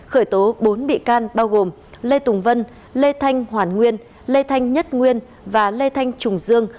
khởi tố bốn bị can bao gồm lê tùng vân lê thanh hoàn nguyên lê thanh nhất nguyên và lê thanh trùng dương